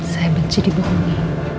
saya benci dibohongi